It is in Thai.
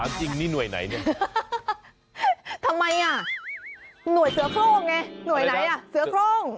หน่วยเสือคล่มไงหน่วยใหญ่อ่ะเสือคล่ม